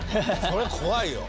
それ怖いよ